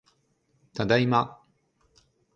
ただいま